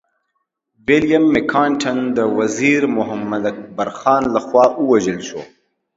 ويليم مکناټن د وزير محمد اکبر خان لخوا ووژل شو.